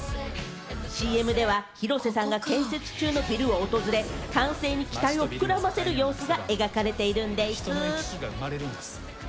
ＣＭでは広瀬さんが建設中のビルを訪れ、完成に期待を膨らませる様子が描かれているんでぃす。